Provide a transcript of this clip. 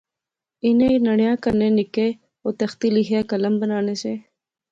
انیں نڑیاں کنے نکیاں او تختی لیخیاں قلم بنانے سے